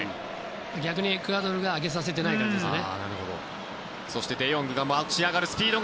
逆にエクアドルが上げさせてないんですね。